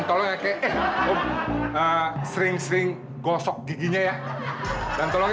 tolong kek nah sering sering gosok giginya ya dan tolongnya